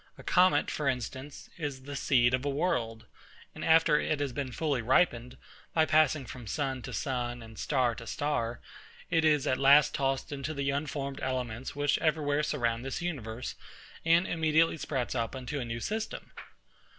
A comet, for instance, is the seed of a world; and after it has been fully ripened, by passing from sun to sun, and star to star, it is at last tossed into the unformed elements which every where surround this universe, and immediately sprouts up into a new system.